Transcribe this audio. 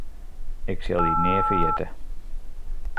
Ik sil dy nea ferjitte.